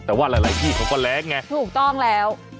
แต่ว่าหลายที่เขาก็แรงไงถูกต้องแล้ว